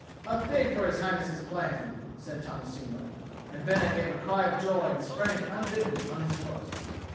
"A fig for His Highness's plan!" said Tommasino; and Bena gave a cry of joy and sprang, unbidden, on his horse.